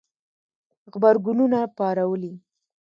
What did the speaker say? غبرګونونه پارولي